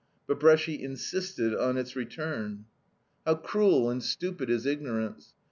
But Bresci insisted on its return. How cruel and stupid is ignorance.